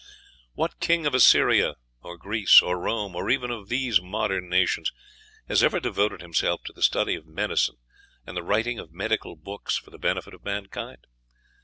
What king of Assyria, or Greece, or Rome, or even of these modern nations, has ever devoted himself to the study of medicine and the writing of medical books for the benefit of mankind?